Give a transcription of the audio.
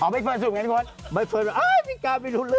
ไม่เคยสู่ง่ายไม่เคยอ้ายพี่ก้าวไม่รู้เลย